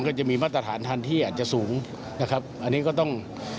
ก็จะมีมาตรฐานทันที่อาจจะสูงนะครับอันนี้ก็ต้อง